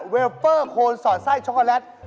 เวลเปอร์โคนสอดไส้ช็อกโกแลต